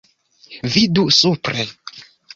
Vidu supre.